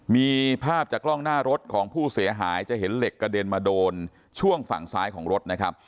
มีภาพจากกล้องหน้ารถของผู้เสียหายจะเห็นเหล็กกระเด็นมาโดนช่วงฝั่งซ้ายของรถนะครับ